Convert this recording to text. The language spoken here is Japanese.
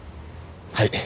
はい。